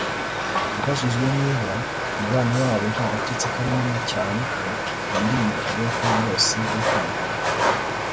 Abajijwe niba umubano wabo nta gatotsi karimo na cyane ko mu ndirimbo avuga ko yarose batandukanye